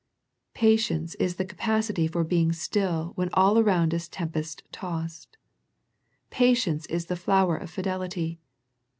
Patience is the capacity for being still when all around is tempest tossed. Patience is the flower of fidelity.